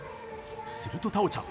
すると太鳳ちゃん